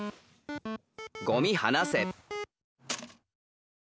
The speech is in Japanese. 「ゴミはなせ」。